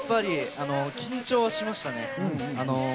緊張はしましたね。